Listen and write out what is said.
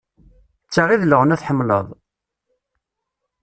D ta i d leɣna tḥemmleḍ?